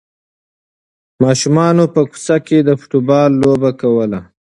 ماشومانو په کوڅه کې د فوټبال لوبه کوله.